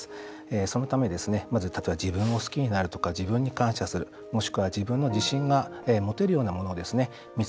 そのためまず自分を好きになるとか自分に感謝する自分に自信を持てるようなものを持つ。